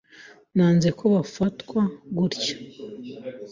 Nanze ko bafatwa gutya.